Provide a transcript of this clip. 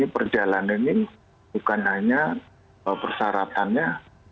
perjalanan ini bukan hanya persyaratannya